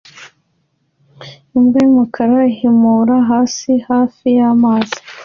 Imbwa y'umukara ihumura hasi hafi y'amazi